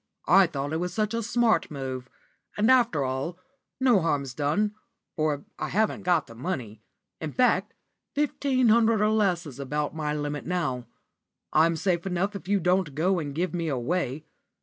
"I thought it was such a smart move; and, after all, no harm's done, for I haven't got the money. In fact, fifteen hundred or less is about my limit now. I'm safe enough if you don't go and give me away.